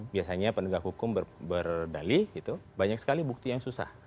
biasanya penegak hukum berdalih banyak sekali bukti yang susah